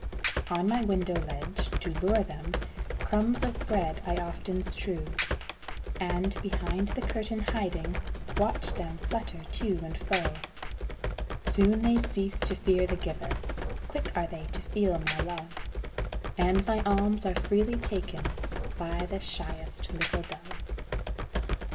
On my window ledge, to lure them, Crumbs of bread I often strew, And, behind the curtain hiding, Watch them flutter to and fro. Soon they cease to fear the giver, Quick are they to feel my love, And my alms are freely taken By the shyest little dove.